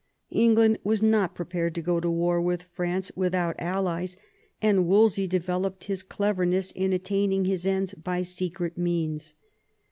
England was not prepared to go to war with France without allies, and Wolsey developed his cleverness in attaining his ends by secret means.